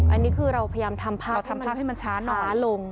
อันนี้คือเราพยายามทำภาพให้มันช้าลง